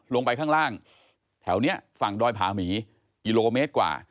ลงไปข้างล่างแถวนี้ฝั่งดอยผาหมีกิโลเมตรกว่า